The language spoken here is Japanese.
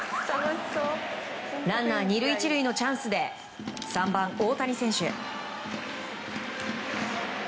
ランナー２塁１塁のチャンスで３番、大谷選手。